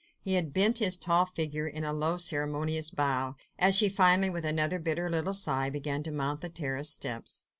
He had bent his tall figure in a low ceremonious bow, as she finally, with another bitter little sigh, began to mount the terrace steps.